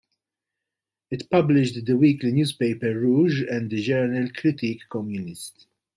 It published the weekly newspaper "Rouge" and the journal "Critique communiste".